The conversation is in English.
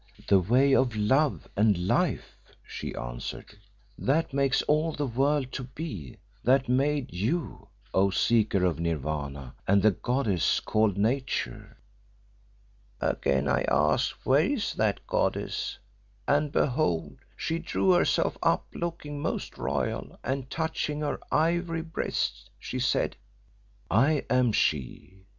"'The way of Love and Life!" she answered, 'that makes all the world to be, that made you, O seeker of Nirvana, and the goddess called Nature!' "Again I asked where is that goddess, and behold! she drew herself up, looking most royal, and touching her ivory breast, she said, 'I am She.